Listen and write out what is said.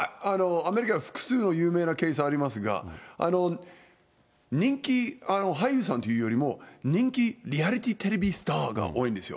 アメリカ、複数の有名なケースがありますが、人気俳優さんっていうよりも、人気リアリティーテレビスターが多いんですよ。